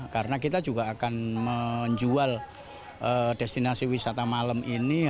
karena kita juga akan menjual destinasi wisata malam ini